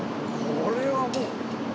これはもう。